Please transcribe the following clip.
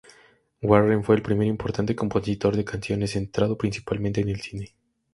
Warren fue el primer importante compositor de canciones centrado principalmente en el cine.